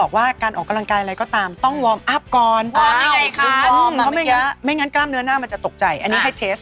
โอเคที่ต้องแบบวอร์มอัพก่อนไม่งั้นกล้ามเนื้อหน้าจะตกใจแบบนี้ให้เทส